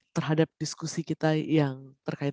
pertama terkait bahwa g tujuh akan merespon